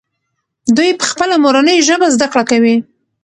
دوی په خپله مورنۍ ژبه زده کړه کوي.